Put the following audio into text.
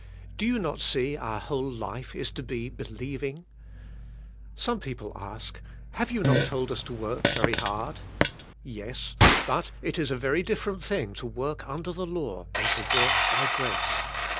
Do you not see our whole life is to be believing"? Some people ask, have you not told us to work very hard? Yes, but it is a very different thing to work under the law and to work by g"race.